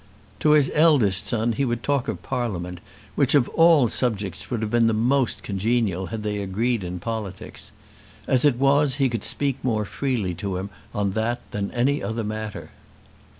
To his eldest son he would talk of Parliament, which of all subjects would have been the most congenial had they agreed in politics. As it was he could speak more freely to him on that than any other matter.